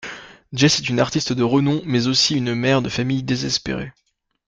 Jess est une artiste de renom mais aussi une mère de famille désespérée.